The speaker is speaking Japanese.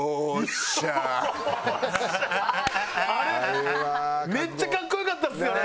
あれめっちゃ格好良かったですよね。